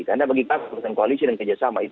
karena bagi kita urusan koalisi dan kejahteraan